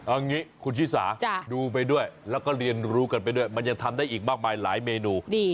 เอางี้คุณชิสาดูไปด้วยแล้วก็เรียนรู้กันไปด้วยมันยังทำได้อีกมากมายหลายเมนู